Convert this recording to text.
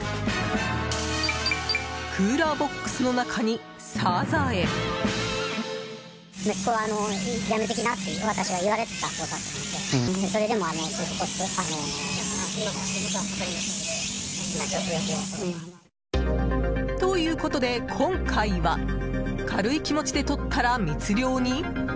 クーラーボックスの中にサザエ。ということで今回は軽い気持ちでとったら密漁に？